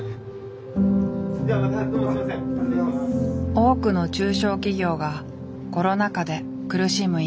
多くの中小企業がコロナ禍で苦しむ今。